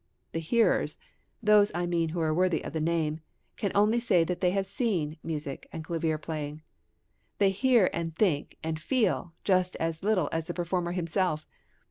The hearers (those I mean, who are worthy of the name) can only say that they have seen music and clavier playing. They hear and think and feel just as little as the performer himself.